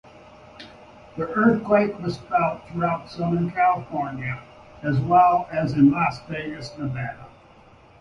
The earthquake was felt throughout Southern California, as well as in Las Vegas, Nevada.